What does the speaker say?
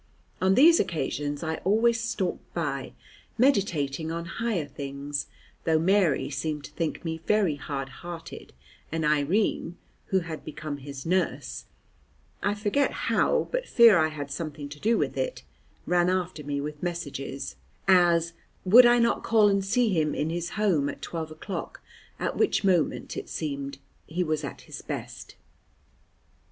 On these occasions I always stalked by, meditating on higher things, though Mary seemed to think me very hardhearted, and Irene, who had become his nurse (I forget how, but fear I had something to do with it), ran after me with messages, as, would I not call and see him in his home at twelve o'clock, at which moment, it seemed, he was at his best.